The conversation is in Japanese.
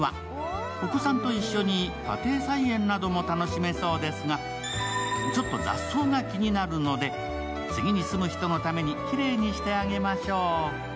お子さんと一緒に家庭菜園なども楽しめそうですが、ちょっと雑草が気になるので次に住む人のためにきれいにしてあげましょう。